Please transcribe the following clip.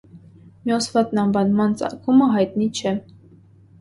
Մյոսվաթն անվանման ծագումը հայտնի չէ։